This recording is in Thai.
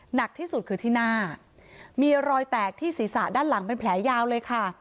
หนักที่สุดคือที่หน้ามีรอยแตกที่ศีรษะด้านหลังเป็นแผลยาวเลยค่ะ